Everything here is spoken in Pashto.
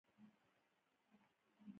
• سختکوش سړی د خپلې کورنۍ لپاره هڅه کوي.